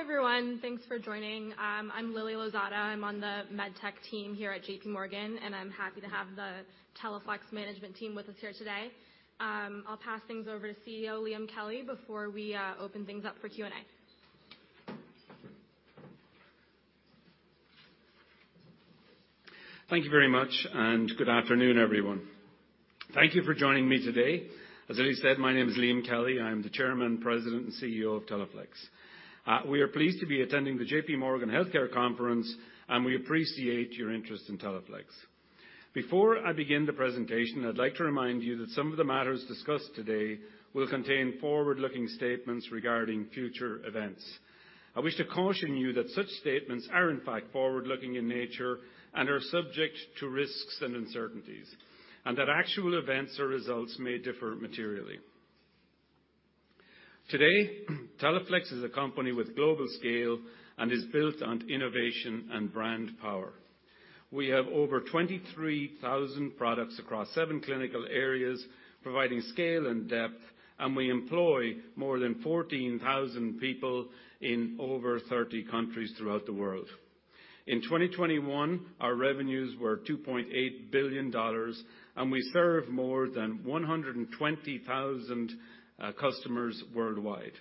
Hi, everyone. Thanks for joining. I'm Lily Lozada. I'm on the MedTech team here at JPMorgan, and I'm happy to have the Teleflex management team with us here today. I'll pass things over to CEO Liam Kelly before we open things up for Q&A. Thank you very much. Good afternoon, everyone. Thank you for joining me today. As Lily said, my name is Liam Kelly. I am the Chairman, President, and CEO of Teleflex. We are pleased to be attending the JPMorgan Healthcare Conference. We appreciate your interest in Teleflex. Before I begin the presentation, I'd like to remind you that some of the matters discussed today will contain forward-looking statements regarding future events. I wish to caution you that such statements are in fact forward-looking in nature and are subject to risks and uncertainties, that actual events or results may differ materially. Today, Teleflex is a company with global scale and is built on innovation and brand power. We have over 23,000 products across seven clinical areas providing scale and depth. We employ more than 14,000 people in over 30 countries throughout the world. In 2021, our revenues were $2.8 billion, and we serve more than 120,000 customers worldwide.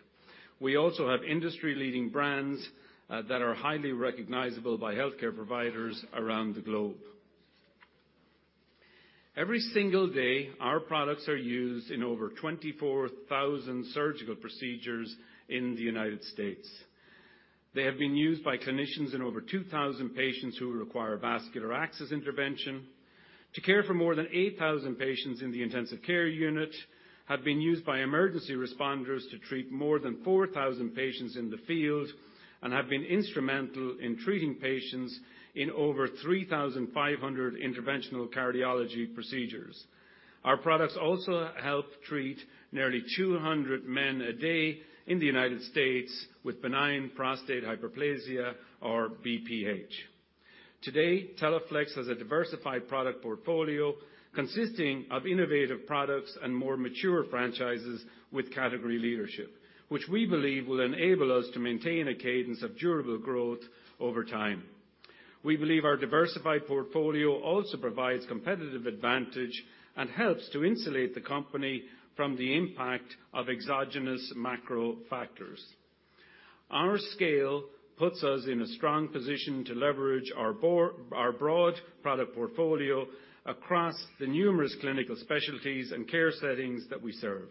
We also have industry-leading brands that are highly recognizable by healthcare providers around the globe. Every single day, our products are used in over 24,000 surgical procedures in the United States. They have been used by clinicians in over 2,000 patients who require vascular access intervention. To care for more than 8,000 patients in the intensive care unit, have been used by emergency responders to treat more than 4,000 patients in the field, and have been instrumental in treating patients in over 3,500 interventional cardiology procedures. Our products also help treat nearly 200 men a day in the United States with benign prostatic hyperplasia or BPH. Today, Teleflex has a diversified product portfolio consisting of innovative products and more mature franchises with category leadership, which we believe will enable us to maintain a cadence of durable growth over time. We believe our diversified portfolio also provides competitive advantage and helps to insulate the company from the impact of exogenous macro factors. Our scale puts us in a strong position to leverage our broad product portfolio across the numerous clinical specialties and care settings that we serve.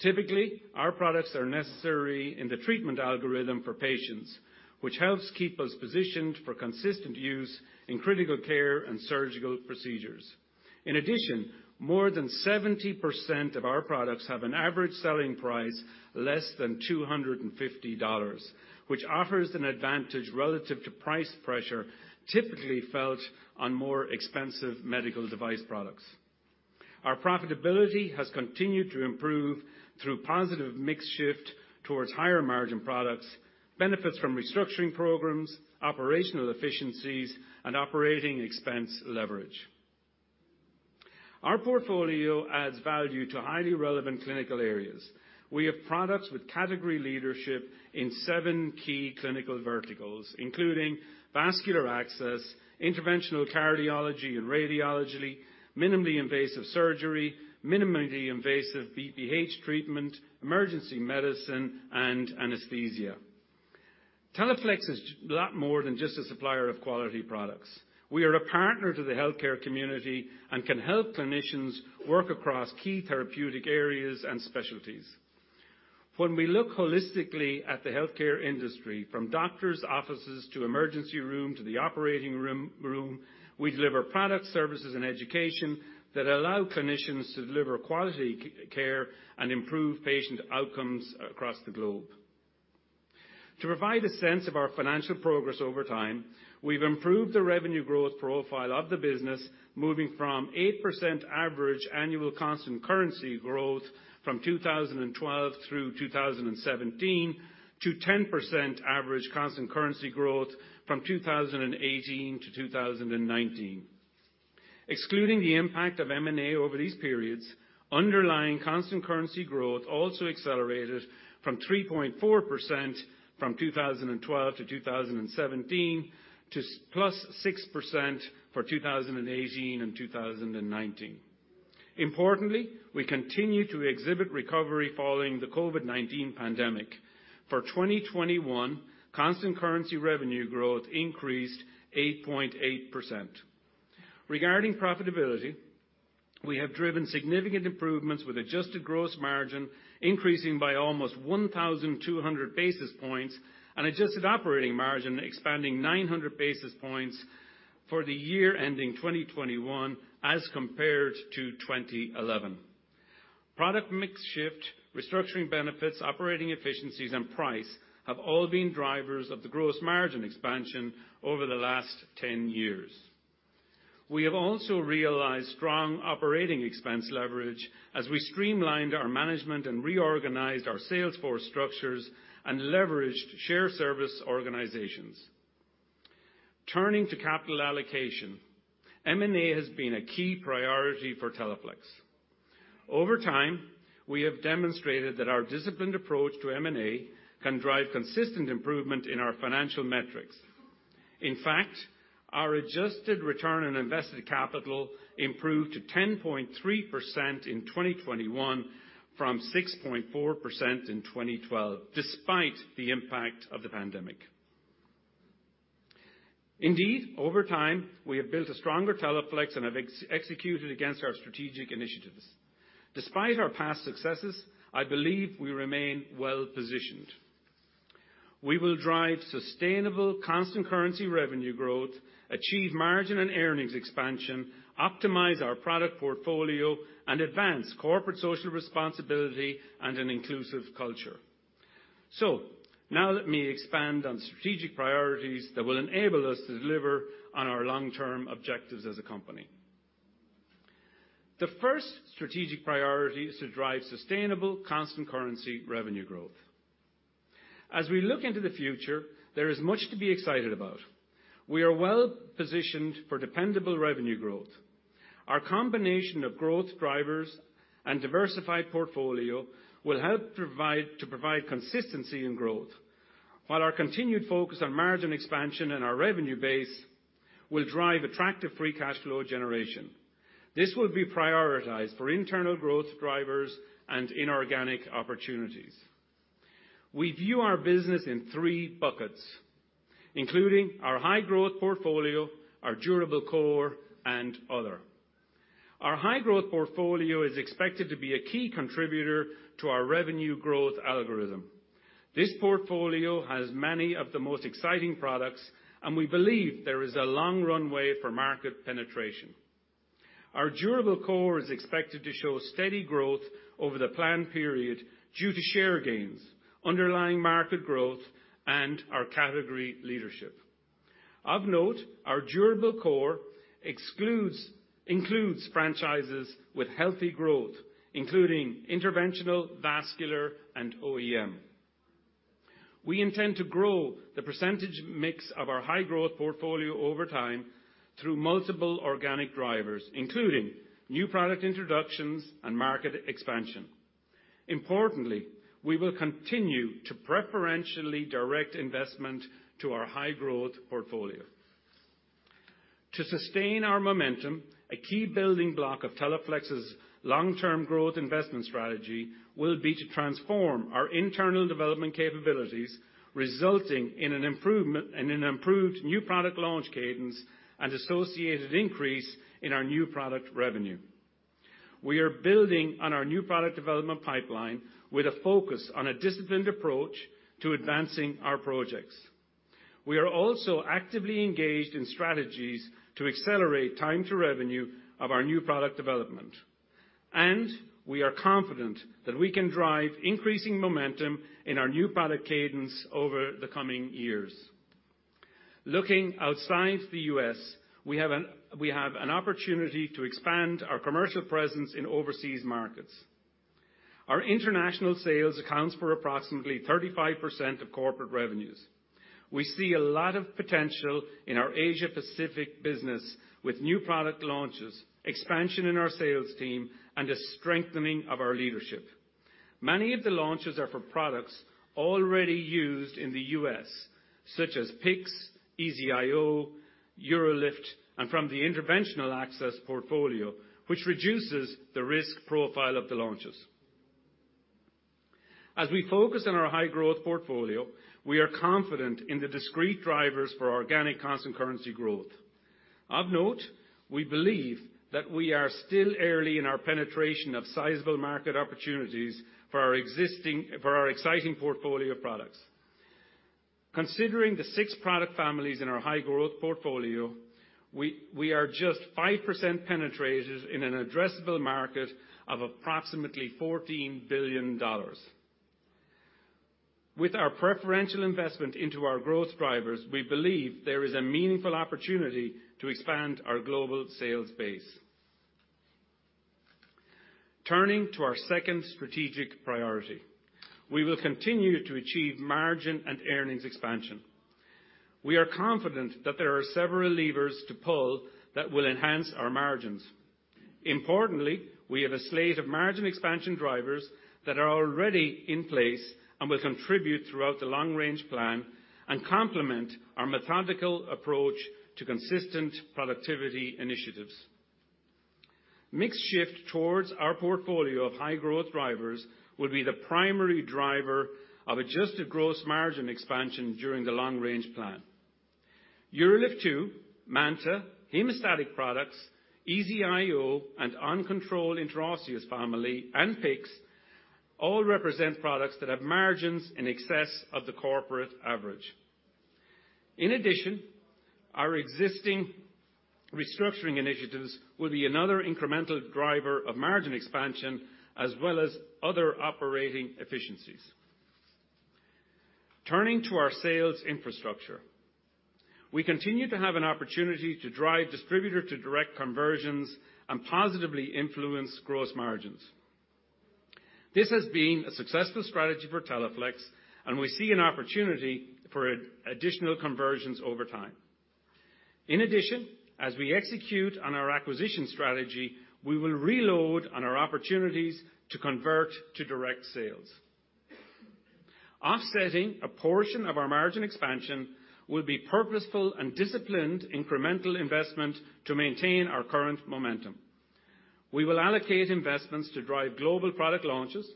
Typically, our products are necessary in the treatment algorithm for patients, which helps keep us positioned for consistent use in critical care and surgical procedures. In addition, more than 70% of our products have an average selling price less than $250, which offers an advantage relative to price pressure typically felt on more expensive medical device products. Our profitability has continued to improve through positive mix shift towards higher margin products, benefits from restructuring programs, operational efficiencies, and operating expense leverage. Our portfolio adds value to highly relevant clinical areas. We have products with category leadership in seven key clinical verticals, including vascular access, interventional cardiology and radiology, minimally invasive surgery, minimally invasive BPH treatment, emergency medicine, and anesthesia. Teleflex is a lot more than just a supplier of quality products. We are a partner to the healthcare community and can help clinicians work across key therapeutic areas and specialties. When we look holistically at the healthcare industry, from doctors' offices to emergency room to the operating room, we deliver products, services, and education that allow clinicians to deliver quality care and improve patient outcomes across the globe. To provide a sense of our financial progress over time, we've improved the revenue growth profile of the business, moving from 8% average annual constant currency growth from 2012 through 2017 to 10% average constant currency growth from 2018 to 2019. Excluding the impact of M&A over these periods, underlying constant currency growth also accelerated from 3.4% from 2012 to 2017 to +6% for 2018 and 2019. Importantly, we continue to exhibit recovery following the COVID-19 pandemic. For 2021, constant currency revenue growth increased 8.8%. Regarding profitability, we have driven significant improvements with adjusted gross margin increasing by almost 1,200 basis points and adjusted operating margin expanding 900 basis points for the year ending 2021 as compared to 2011. Product mix shift, restructuring benefits, operating efficiencies, and price have all been drivers of the gross margin expansion over the last 10 years. We have also realized strong operating expense leverage as we streamlined our management and reorganized our sales force structures and leveraged share service organizations. Turning to capital allocation, M&A has been a key priority for Teleflex. Over time, we have demonstrated that our disciplined approach to M&A can drive consistent improvement in our financial metrics. In fact, our adjusted return on invested capital improved to 10.3% in 2021 from 6.4% in 2012, despite the impact of the pandemic. Indeed, over time, we have built a stronger Teleflex and have executed against our strategic initiatives. Despite our past successes, I believe we remain well-positioned. We will drive sustainable constant currency revenue growth, achieve margin and earnings expansion, optimize our product portfolio, and advance corporate social responsibility and an inclusive culture. Now let me expand on strategic priorities that will enable us to deliver on our long-term objectives as a company. The first strategic priority is to drive sustainable constant currency revenue growth. As we look into the future, there is much to be excited about. We are well-positioned for dependable revenue growth. Our combination of growth drivers and diversified portfolio will help to provide consistency in growth. Our continued focus on margin expansion and our revenue base will drive attractive free cash flow generation. This will be prioritized for internal growth drivers and inorganic opportunities. We view our business in three buckets, including our high-growth portfolio, our durable core, and other. Our high-growth portfolio is expected to be a key contributor to our revenue growth algorithm. This portfolio has many of the most exciting products. We believe there is a long runway for market penetration. Our durable core is expected to show steady growth over the plan period due to share gains, underlying market growth, and our category leadership. Of note, our durable core includes franchises with healthy growth, including interventional, vascular, and OEM. We intend to grow the percentage mix of our high-growth portfolio over time through multiple organic drivers, including new product introductions and market expansion. Importantly, we will continue to preferentially direct investment to our high-growth portfolio. To sustain our momentum, a key building block of Teleflex's long-term growth investment strategy will be to transform our internal development capabilities, resulting in an improved new product launch cadence and associated increase in our new product revenue. We are building on our new product development pipeline with a focus on a disciplined approach to advancing our projects. We are also actively engaged in strategies to accelerate time to revenue of our new product development. We are confident that we can drive increasing momentum in our new product cadence over the coming years. Looking outside the U.S., we have an opportunity to expand our commercial presence in overseas markets. Our international sales accounts for approximately 35% of corporate revenues. We see a lot of potential in our Asia Pacific business with new product launches, expansion in our sales team, and a strengthening of our leadership. Many of the launches are for products already used in the U.S., such as PICC, EZ-IO, UroLift, and from the interventional access portfolio, which reduces the risk profile of the launches. As we focus on our high-growth portfolio, we are confident in the discrete drivers for organic constant currency growth. Of note, we believe that we are still early in our penetration of sizable market opportunities for our exciting portfolio of products. Considering the six product families in our high-growth portfolio, we are just 5% penetrated in an addressable market of approximately $14 billion. With our preferential investment into our growth drivers, we believe there is a meaningful opportunity to expand our global sales base. Turning to our second strategic priority. We will continue to achieve margin and earnings expansion. We are confident that there are several levers to pull that will enhance our margins. Importantly, we have a slate of margin expansion drivers that are already in place and will contribute throughout the long-range plan and complement our methodical approach to consistent productivity initiatives. Mix shift towards our portfolio of high growth drivers will be the primary driver of adjusted gross margin expansion during the long-range plan. UroLift 2, MANTA, hemostatic products, EZ-IO, and uncontrolled intraosseous family, and PICCs all represent products that have margins in excess of the corporate average. Our existing restructuring initiatives will be another incremental driver of margin expansion as well as other operating efficiencies. Turning to our sales infrastructure. We continue to have an opportunity to drive distributor to direct conversions and positively influence gross margins. This has been a successful strategy for Teleflex, and we see an opportunity for additional conversions over time. In addition, as we execute on our acquisition strategy, we will reload on our opportunities to convert to direct sales. Offsetting a portion of our margin expansion will be purposeful and disciplined incremental investment to maintain our current momentum. We will allocate investments to drive global product launches,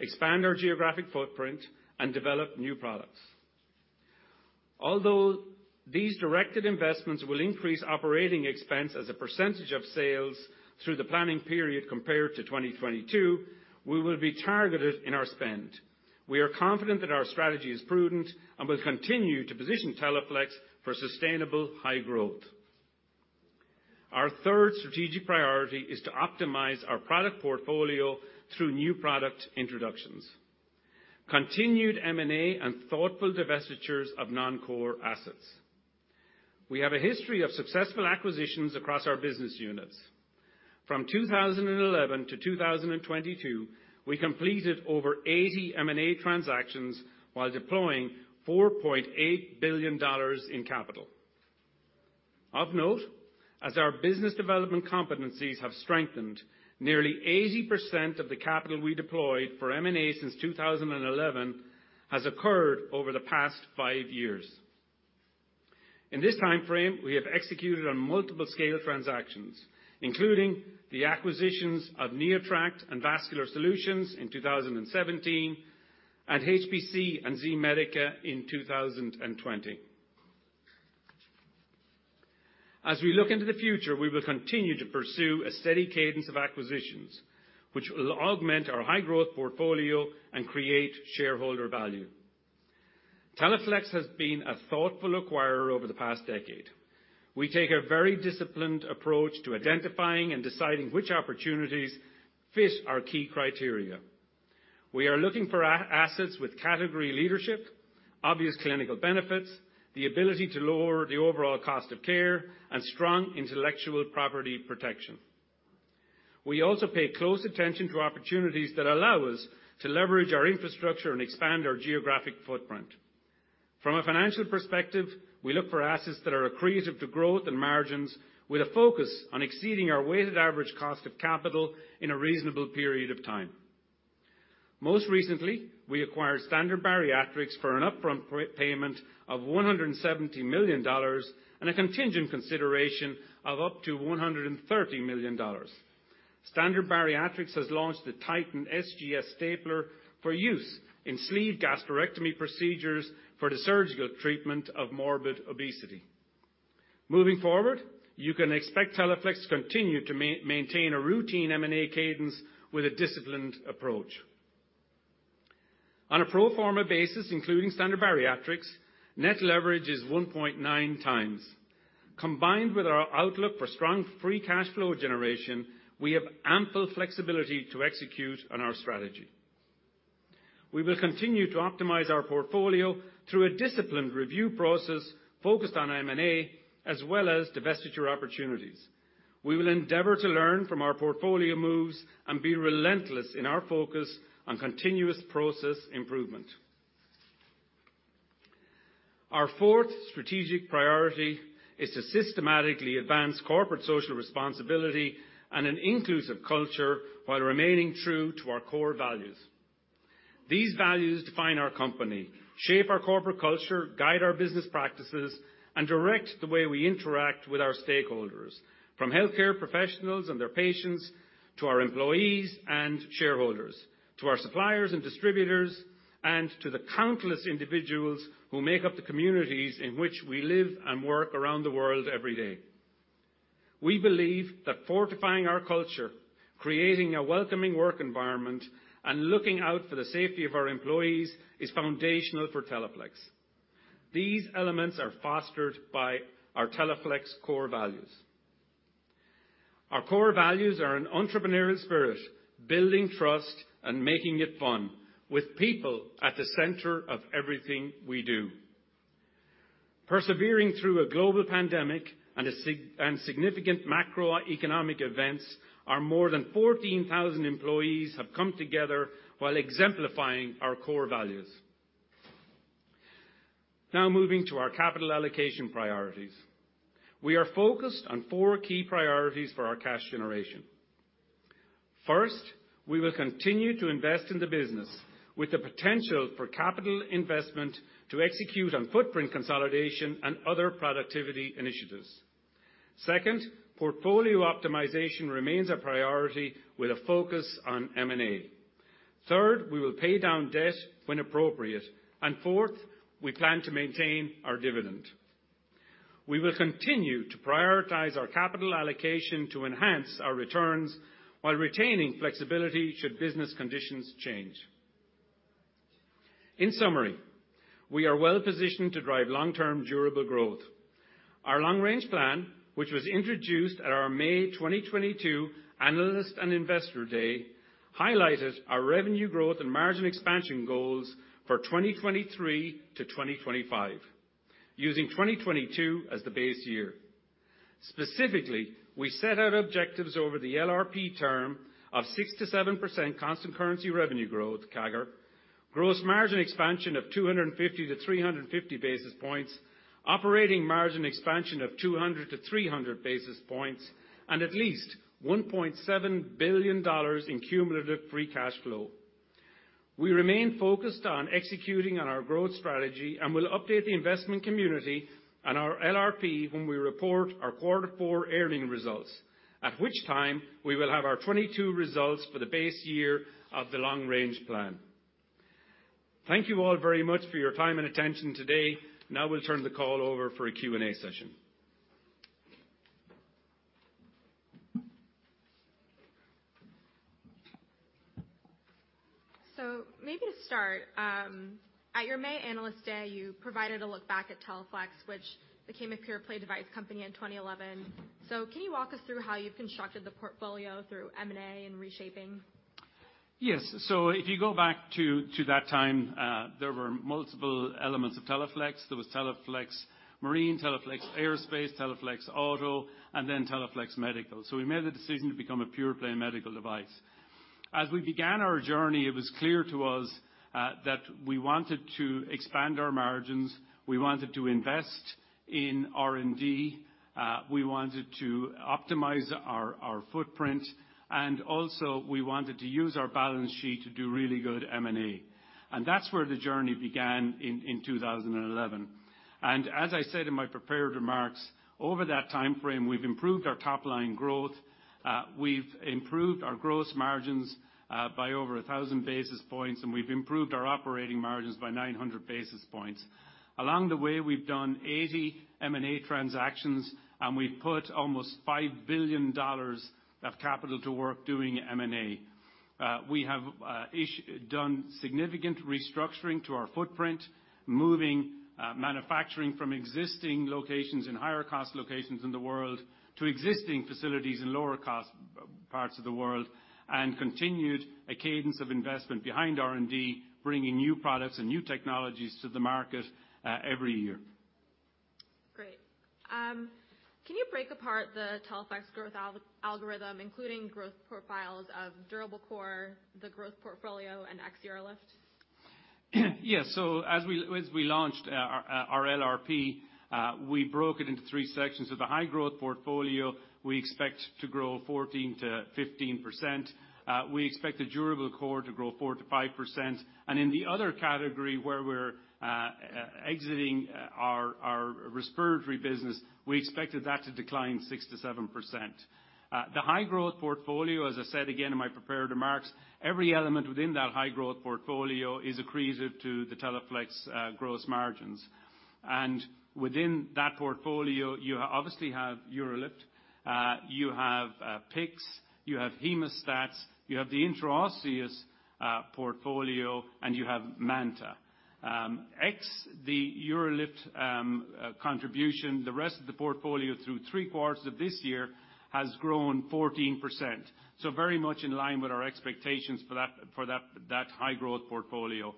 expand our geographic footprint, and develop new products. Although these directed investments will increase operating expense as a percentage of sales through the planning period compared to 2022, we will be targeted in our spend. We are confident that our strategy is prudent and will continue to position Teleflex for sustainable high growth. Our third strategic priority is to optimize our product portfolio through new product introductions, continued M&A, and thoughtful divestitures of non-core assets. We have a history of successful acquisitions across our business units. From 2011 to 2022, we completed over 80 M&A transactions while deploying $4.8 billion in capital. Of note, as our business development competencies have strengthened, nearly 80% of the capital we deployed for M&A since 2011 has occurred over the past five years. In this time frame, we have executed on multiple scale transactions, including the acquisitions of NeoTract and Vascular Solutions in 2017, and HPC and Z-Medica in 2020. As we look into the future, we will continue to pursue a steady cadence of acquisitions, which will augment our high-growth portfolio and create shareholder value. Teleflex has been a thoughtful acquirer over the past decade. We take a very disciplined approach to identifying and deciding which opportunities fit our key criteria. We are looking for assets with category leadership, obvious clinical benefits, the ability to lower the overall cost of care, and strong intellectual property protection. We also pay close attention to opportunities that allow us to leverage our infrastructure and expand our geographic footprint. From a financial perspective, we look for assets that are accretive to growth and margins with a focus on exceeding our weighted average cost of capital in a reasonable period of time. Most recently, we acquired Standard Bariatrics for an upfront payment of $170 million and a contingent consideration of up to $130 million. Standard Bariatrics has launched the Titan SGS Stapler for use in sleeve gastrectomy procedures for the surgical treatment of morbid obesity. Moving forward, you can expect Teleflex to continue to maintain a routine M&A cadence with a disciplined approach. On a pro forma basis, including Standard Bariatrics, net leverage is 1.9x. Combined with our outlook for strong free cash flow generation, we have ample flexibility to execute on our strategy. We will continue to optimize our portfolio through a disciplined review process focused on M&A as well as divestiture opportunities. We will endeavor to learn from our portfolio moves and be relentless in our focus on continuous process improvement. Our fourth strategic priority is to systematically advance corporate social responsibility and an inclusive culture while remaining true to our core values. These values define our company, shape our corporate culture, guide our business practices, and direct the way we interact with our stakeholders, from healthcare professionals and their patients, to our employees and shareholders, to our suppliers and distributors, and to the countless individuals who make up the communities in which we live and work around the world every day. We believe that fortifying our culture, creating a welcoming work environment, and looking out for the safety of our employees is foundational for Teleflex. These elements are fostered by our Teleflex core values. Our core values are an entrepreneurial spirit, building trust, and making it fun with people at the center of everything we do. Persevering through a global pandemic and a significant macroeconomic events, our more than 14,000 employees have come together while exemplifying our core values. Mo.ing to our capital allocation priorities. We are focused on four key priorities for our cash generation. First, we will continue to invest in the business with the potential for capital investment to execute on footprint consolidation and other productivity initiatives. Second, portfolio optimization remains a priority with a focus on M&A. Third, we will pay down debt when appropriate. Fourth, we plan to maintain our dividend. We will continue to prioritize our capital allocation to enhance our returns while retaining flexibility should business conditions change. In summary, we are well-positioned to drive long-term durable growth. Our long-range plan, which was introduced at our May 2022 Analyst and Investor Day, highlighted our revenue growth and margin expansion goals for 2023-2025, using 2022 as the base year. Specifically, we set out objectives over the LRP term of 6%-7% constant currency revenue growth, CAGR. Gross margin expansion of 250-350 basis points. Operating margin expansion of 200-300 basis points. At least $1.7 billion in cumulative free cash flow. We remain focused on executing on our growth strategy. We'll update the investment community on our LRP when we report our quarter four earnings results. At which time, we will have our 2022 results for the base year of the long range plan. Thank you all very much for your time and attention today. We'll turn the call over for a Q&A session. Maybe to start, at your May Analyst Day, you provided a look back at Teleflex, which became a pure play device company in 2011. Can you walk us through how you've constructed the portfolio through M&A and reshaping? Yes. If you go back to that time, there were multiple elements of Teleflex. There was Teleflex Marine, Teleflex Aerospace, Teleflex Auto, and then Teleflex Medical. We made the decision to become a pure play medical device. As we began our journey, it was clear to us, that we wanted to expand our margins, we wanted to invest in R&D, we wanted to optimize our footprint, and also we wanted to use our balance sheet to do really good M&A. That's where the journey began in 2011. As I said in my prepared remarks, over that timeframe, we've improved our top line growth, we've improved our gross margins, by over 1,000 basis points, and we've improved our operating margins by 900 basis points. Along the way, we've done 80 M&A transactions, and we've put almost $5 billion of capital to work doing M&A. We have done significant restructuring to our footprint, moving manufacturing from existing locations and higher cost locations in the world to existing facilities in lower cost parts of the world, and continued a cadence of investment behind R&D, bringing new products and new technologies to the market every year. Great. Can you break apart the Teleflex growth algorithm, including growth profiles of durable core, the growth portfolio and ex-UroLift? As we launched our LRP, we broke it into three sections. The high growth portfolio, we expect to grow 14%-15%. We expect the durable core to grow 4%-5%. In the other category, where we're exiting our respiratory business, we expected that to decline 6%-7%. The high growth portfolio, as I said again in my prepared remarks, every element within that high growth portfolio is accretive to the Teleflex gross margins. Within that portfolio, you obviously have UroLift, you have PICCs, you have hemostats, you have the intraosseous portfolio, and you have MANTA. Ex the UroLift contribution, the rest of the portfolio through three quarters of this year has grown 14%. Very much in line with our expectations for that high growth portfolio.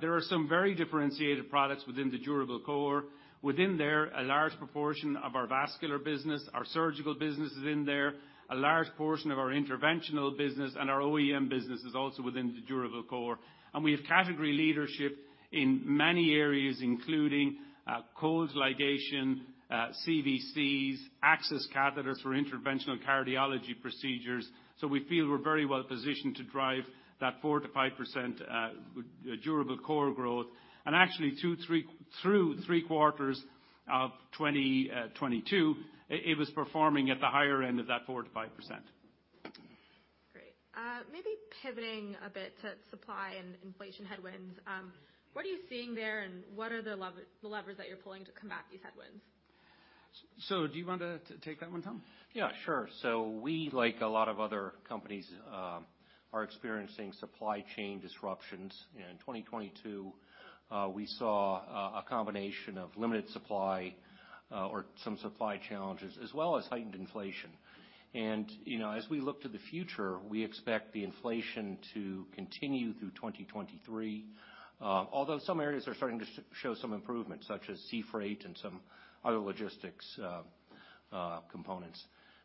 There are some very differentiated products within the durable core. Within there, a large proportion of our vascular business. Our surgical business is in there. A large portion of our interventional business and our OEM business is also within the durable core. We have category leadership in many areas, including closed ligation, CVCs, access catheters for interventional cardiology procedures. We feel we're very well positioned to drive that 4%-5% durable core growth. Actually, through three quarters of 2022, it was performing at the higher end of that 4%-5%. Great. maybe pivoting a bit to supply and inflation headwinds. What are you seeing there, and what are the levers that you're pulling to combat these headwinds? Do you want to take that one, Tom? Yeah, sure. We, like a lot of other companies, are experiencing supply chain disruptions. In 2022, we saw a combination of limited supply, or some supply challenges, as well as heightened inflation. You know, as we look to the future, we expect the inflation to continue through 2023, although some areas are starting to show some improvement, such as sea freight and some other logistics, components.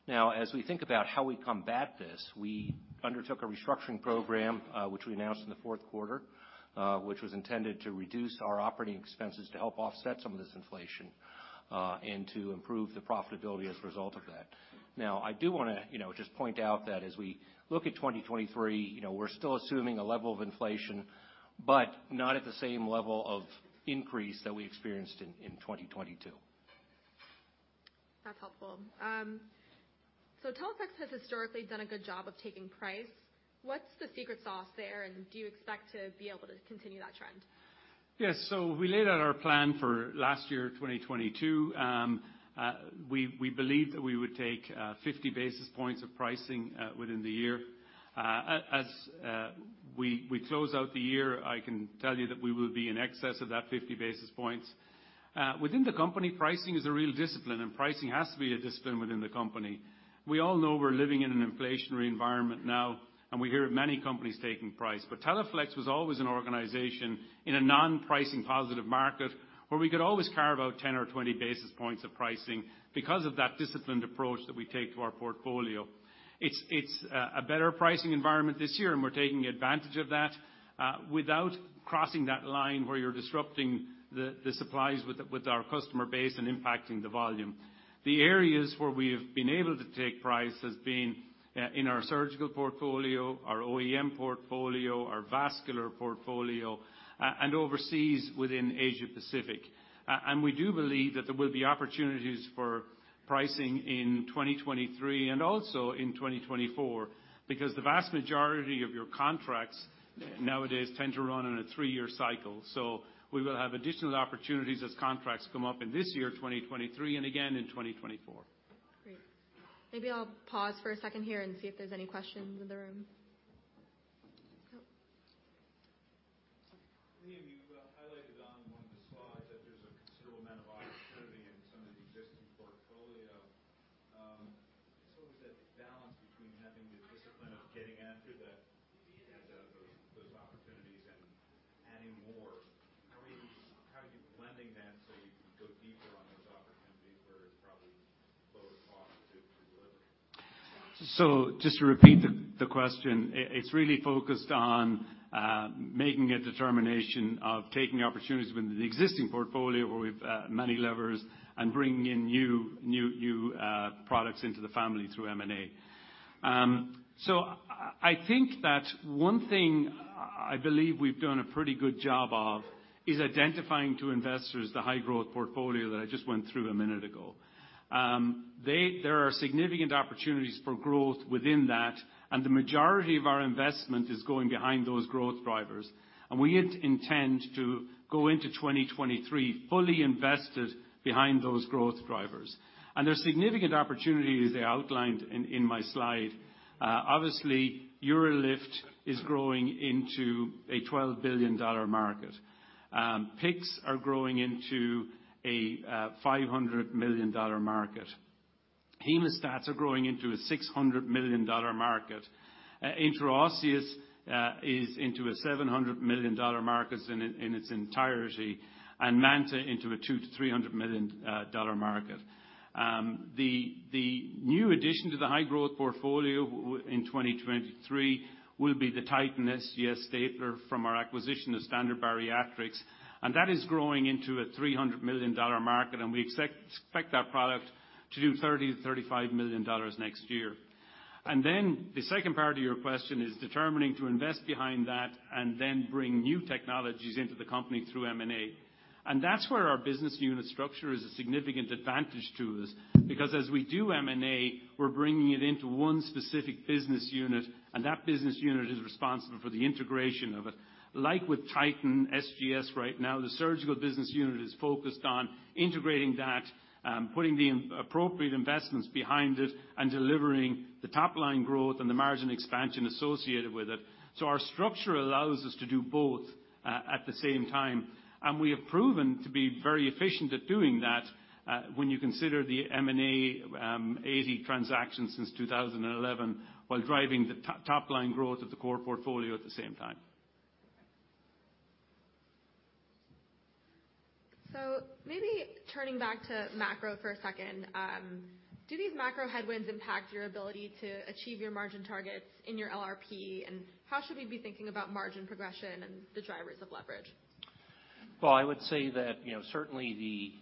As we think about how we combat this, we undertook a restructuring program, which we announced in the fourth quarter, which was intended to reduce our operating expenses to help offset some of this inflation, and to improve the profitability as a result of that. Now, I do wanna, you know, just point out that as we look at 2023, you know, we're still assuming a level of inflation, but not at the same level of increase that we experienced in 2022. That's helpful. Teleflex has historically done a good job of taking price. What's the secret sauce there, and do you expect to be able to continue that trend? Yes. We laid out our plan for last year, 2022. We believe that we would take 50 basis points of pricing within the year. As we close out the year, I can tell you that we will be in excess of that 50 basis points. Within the company, pricing is a real discipline, and pricing has to be a discipline within the company. We all know we're living in an inflationary environment now, and we hear of many companies taking price. Teleflex was always an organization in a non-pricing positive market, where we could always carve out 10 or 20 basis points of pricing because of that disciplined approach that we take to our portfolio. It's a better pricing environment this year, and we're taking advantage of that, without crossing that line where you're disrupting the supplies with our customer base and impacting the volume. The areas where we have been able to take price has been in our surgical portfolio, our OEM portfolio, our vascular portfolio, and overseas within Asia-Pacific. We do believe that there will be opportunities for pricing in 2023 and also in 2024, because the vast majority of your contracts nowadays tend to run on a three-year cycle. We will have additional opportunities as contracts come up in this year, 2023, and again in 2024. Great. Maybe I'll pause for a second here and see if there's any questions in the room. No. Liam, you highlighted on one of the slides that there's a considerable amount of opportunity in some of the existing portfolio. Is that balance between having the discipline of getting after those opportunities and adding more? How are you blending that so you can go deeper on those opportunities where it's probably lower cost to deliver? Just to repeat the question, it's really focused on making a determination of taking opportunities within the existing portfolio where we've many levers and bringing in new products into the family through M&A. I think that one thing I believe we've done a pretty good job of is identifying to investors the high-growth portfolio that I just went through a minute ago. There are significant opportunities for growth within that, the majority of our investment is going behind those growth drivers. We intend to go into 2023 fully invested behind those growth drivers. There's significant opportunities as I outlined in my slide. Obviously, UroLift is growing into a $12 billion market. PICCs are growing into a $500 million market. Hemostats are growing into a $600 million market. Intraosseous is into a $700 million market in its entirety, and MANTA into a $200 million-$300 million market. The new addition to the high-growth portfolio in 2023 will be the Titan SGS Stapler from our acquisition of Standard Bariatrics. That is growing into a $300 million market. We expect that product to do $30 million-$35 million next year. The second part of your question is determining to invest behind that and then bring new technologies into the company through M&A. That's where our business unit structure is a significant advantage to us because as we do M&A, we're bringing it into one specific business unit. That business unit is responsible for the integration of it. Like with Titan SGS right now, the surgical business unit is focused on integrating that, putting the appropriate investments behind it, and delivering the top-line growth and the margin expansion associated with it. Our structure allows us to do both at the same time, and we have proven to be very efficient at doing that, when you consider the M&A, 80 transactions since 2011, while driving the top-line growth of the core portfolio at the same time. Maybe turning back to macro for a second. Do these macro headwinds impact your ability to achieve your margin targets in your LRP? How should we be thinking about margin progression and the drivers of leverage? Well, I would say that, you know, certainly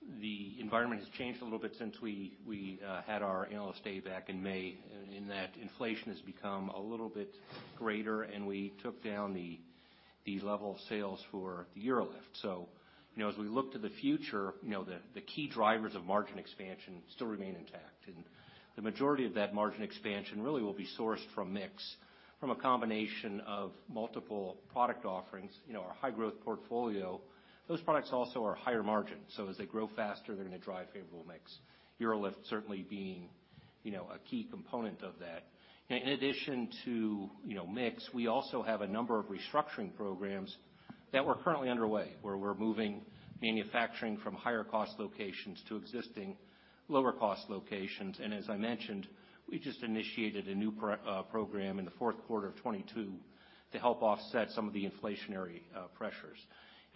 the environment has changed a little bit since we had our Analyst Day back in May, in that inflation has become a little bit greater, and we took down the level of sales for the UroLift. You know, as we look to the future, you know, the key drivers of margin expansion still remain intact. The majority of that margin expansion really will be sourced from mix, from a combination of multiple product offerings. You know, our high-growth portfolio, those products also are higher margin. As they grow faster, they're gonna drive favorable mix. UroLift certainly being, you know, a key component of that. In addition to, you know, mix, we also have a number of restructuring programs that were currently underway, where we're moving manufacturing from higher cost locations to existing lower cost locations. As I mentioned, we just initiated a new program in the fourth quarter of 2022 to help offset some of the inflationary pressures.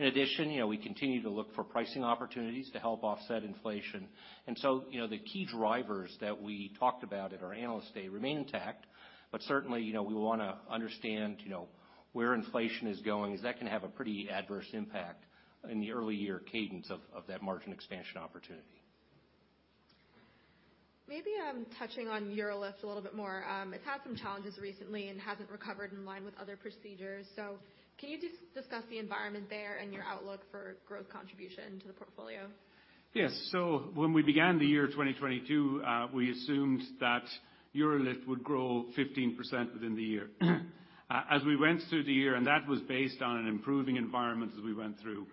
In addition, you know, we continue to look for pricing opportunities to help offset inflation. So, you know, the key drivers that we talked about at our Analyst Day remain intact. Certainly, you know, we wanna understand, you know, where inflation is going, as that can have a pretty adverse impact in the early year cadence of that margin expansion opportunity. Maybe, touching on UroLift a little bit more. It's had some challenges recently and hasn't recovered in line with other procedures. Can you just discuss the environment there and your outlook for growth contribution to the portfolio? Yes. When we began the year 2022, we assumed that UroLift would grow 15% within the year. As we went through the year, that was based on an improving environment as we went through,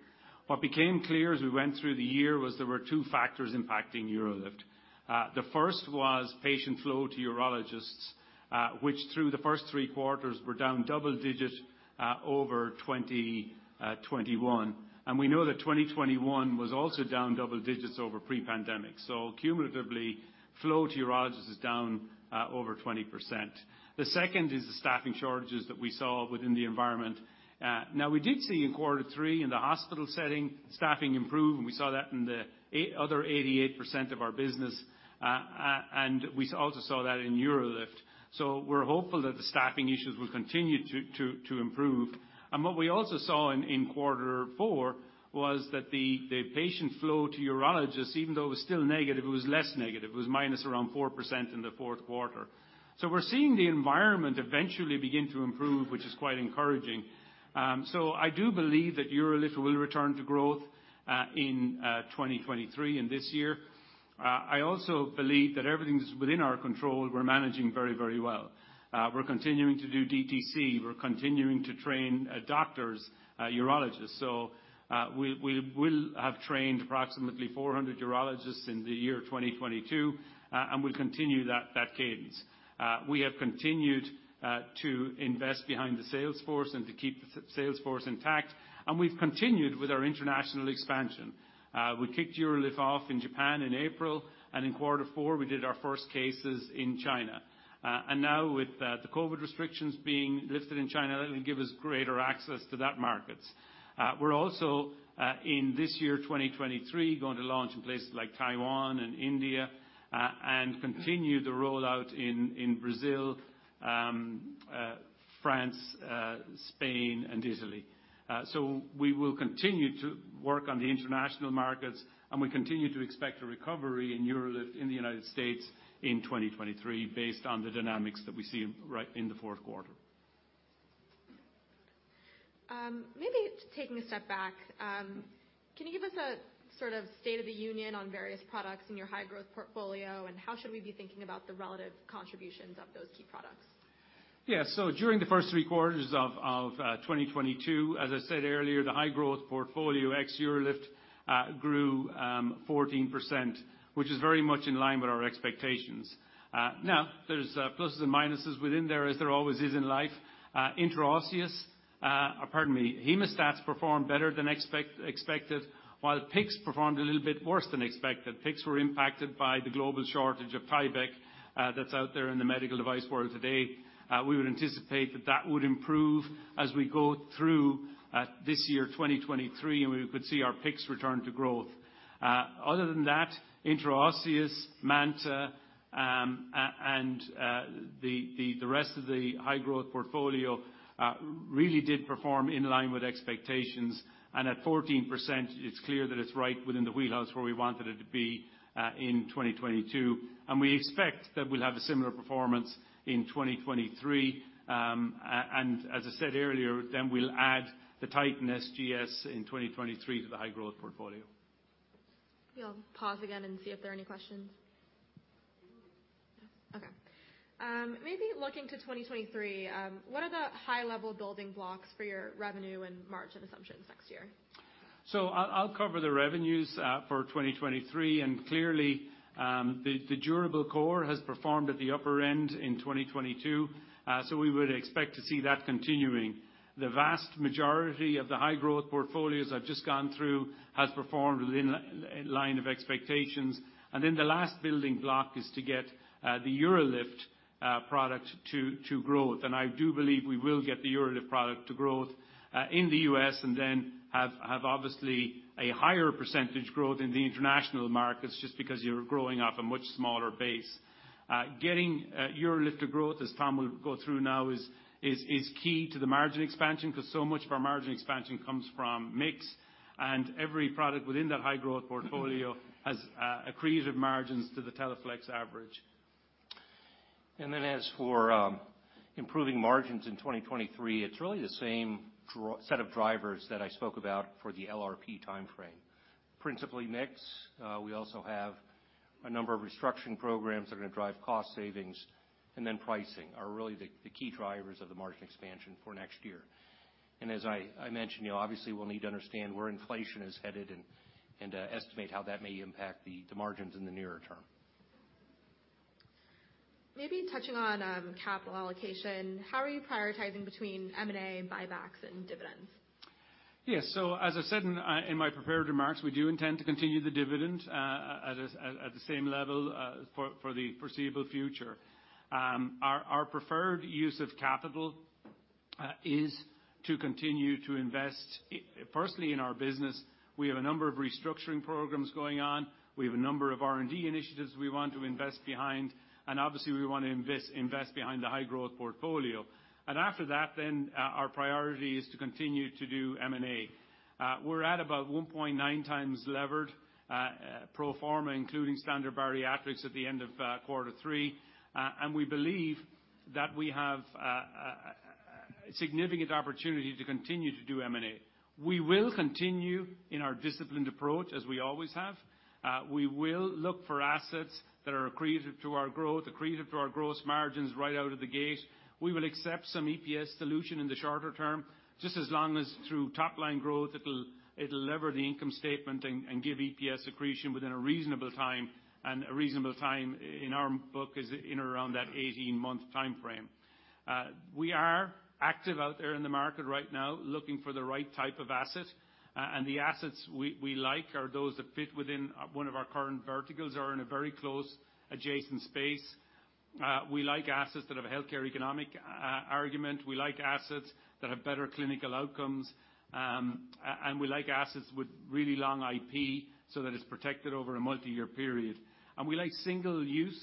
what became clear as we went through the year was there were two factors impacting UroLift. The first was patient flow to urologists, which through the first three quarters were down double digit over 2021. We know that 2021 was also down double digits over pre-pandemic. Cumulatively, flow to urologists is down over 20%. The second is the staffing shortages that we saw within the environment. Now we did see in quarter three, in the hospital setting, staffing improve, and we saw that in the other 88% of our business, and we also saw that in UroLift. We're hopeful that the staffing issues will continue to improve. What we also saw in quarter four was that the patient flow to urologists, even though it was still negative, it was less negative. It was minus around 4% in the fourth quarter. We're seeing the environment eventually begin to improve, which is quite encouraging. I do believe that UroLift will return to growth in 2023 in this year. I also believe that everything's within our control, we're managing very, very well. We're continuing to do DTC. We're continuing to train doctors, urologists. We will have trained approximately 400 urologists in the year 2022, and we'll continue that cadence. We have continued to invest behind the sales force and to keep the sales force intact, we've continued with our international expansion. We kicked UroLift off in Japan in April, in quarter four we did our first cases in China. Now with the COVID restrictions being lifted in China, that'll give us greater access to that markets. We're also in this year, 2023, going to launch in places like Taiwan and India, and continue the rollout in Brazil, France, Spain, and Italy. We will continue to work on the international markets, we continue to expect a recovery in UroLift in the United States in 2023 based on the dynamics that we see in the fourth quarter. Maybe taking a step back, can you give us a sort of state of the union on various products in your high growth portfolio, and how should we be thinking about the relative contributions of those key products? Yeah. During the first three quarters of 2022, as I said earlier, the high growth portfolio ex-UroLift grew 14%, which is very much in line with our expectations. Now there's pluses and minuses within there, as there always is in life. intraosseous, pardon me, hemostats performed better than expected, while PICCs performed a little bit worse than expected. PICCs were impacted by the global shortage of Tyvek that's out there in the medical device world today. We would anticipate that that would improve as we go through this year, 2023, and we could see our PICCs return to growth. Other than that, intraosseous, MANTA, and the rest of the high growth portfolio really did perform in line with expectations. At 14%, it's clear that it's right within the wheelhouse where we wanted it to be in 2022. We expect that we'll have a similar performance in 2023. As I said earlier, then we'll add the Titan SGS in 2023 to the high growth portfolio. We'll pause again and see if there are any questions. Okay. Maybe looking to 2023, what are the high level building blocks for your revenue and margin assumptions next year? I'll cover the revenues for 2023. Clearly, the durable core has performed at the upper end in 2022. We would expect to see that continuing. The vast majority of the high growth portfolios I've just gone through has performed within line of expectations. The last building block is to get the UroLift product to growth. I do believe we will get the UroLift product to growth in the U.S. and then have obviously a higher percentage growth in the international markets just because you're growing off a much smaller base. Getting UroLift to growth, as Tom will go through now, is key to the margin expansion, 'cause so much of our margin expansion comes from mix. Every product within that high growth portfolio has accretive margins to the Teleflex average. Then as for improving margins in 2023, it's really the same set of drivers that I spoke about for the LRP timeframe. Principally mix, we also have a number of restructuring programs that are gonna drive cost savings, then pricing are really the key drivers of the margin expansion for next year. As I mentioned, you know, obviously we'll need to understand where inflation is headed and estimate how that may impact the margins in the nearer term. Maybe touching on, capital allocation, how are you prioritizing between M&A and buybacks and dividends? As I said in my prepared remarks, we do intend to continue the dividend at the same level for the foreseeable future. Our preferred use of capital is to continue to invest firstly in our business, we have a number of restructuring programs going on. We have a number of R&D initiatives we want to invest behind, and obviously, we wanna invest behind the high growth portfolio. After that, our priority is to continue to do M&A. We're at about 1.9x levered pro forma, including Standard Bariatrics at the end of quarter three. We believe that we have a significant opportunity to continue to do M&A. We will continue in our disciplined approach as we always have. We will look for assets that are accretive to our growth, accretive to our gross margins right out of the gate. We will accept some EPS dilution in the shorter term, just as long as through top-line growth, it'll lever the income statement and give EPS accretion within a reasonable time, and a reasonable time in our book is in around that 18-month timeframe. We are active out there in the market right now looking for the right type of asset. And the assets we like are those that fit within one of our current verticals or in a very close adjacent space. We like assets that have a healthcare economic argument. We like assets that have better clinical outcomes, and we like assets with really long IP so that it's protected over a multiyear period. We like single-use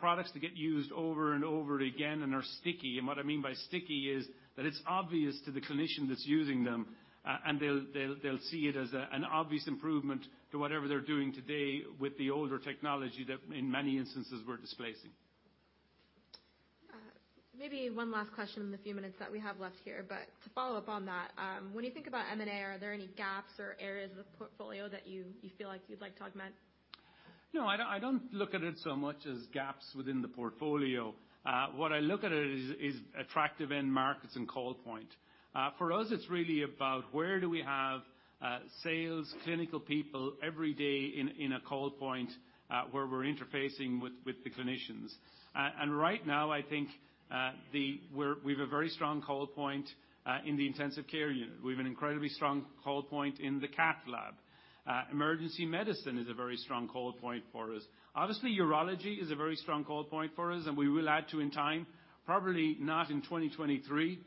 products that get used over and over again and are sticky. What I mean by sticky is that it's obvious to the clinician that's using them, and they'll see it as an obvious improvement to whatever they're doing today with the older technology that in many instances we're displacing. Maybe one last question in the few minutes that we have left here. To follow up on that, when you think about M&A, are there any gaps or areas of the portfolio that you feel like you'd like to augment? No, I don't, I don't look at it so much as gaps within the portfolio. What I look at it as is attractive end markets and call point. For us, it's really about where do we have sales, clinical people every day in a call point, where we're interfacing with the clinicians. Right now, I think, we've a very strong call point in the intensive care unit. We have an incredibly strong call point in the cath lab. Emergency medicine is a very strong call point for us. Obviously, urology is a very strong call point for us, and we will add to in time, probably not in 2023.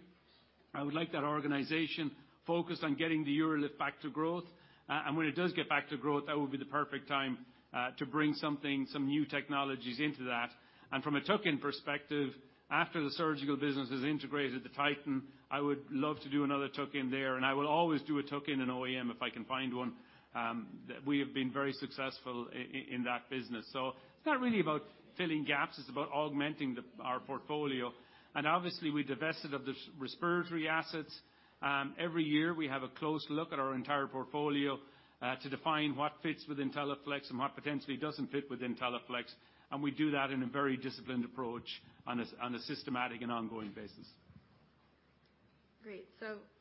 I would like that organization focused on getting the UroLift back to growth. When it does get back to growth, that would be the perfect time to bring something, some new technologies into that. From a tuck-in perspective, after the surgical business is integrated to Titan, I would love to do another tuck-in there, and I will always do a tuck-in in OEM if I can find one. We have been very successful in that business. It's not really about filling gaps, it's about augmenting our portfolio. Obviously, we divested of the respiratory assets. Every year, we have a close look at our entire portfolio to define what fits within Teleflex and what potentially doesn't fit within Teleflex, and we do that in a very disciplined approach on a systematic and ongoing basis. Great.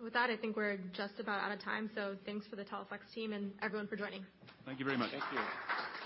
With that, I think we're just about out of time. Thanks for the Teleflex team and everyone for joining. Thank you very much. Thank you.